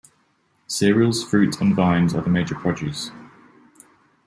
Cereals, fruit and vines are the major produce.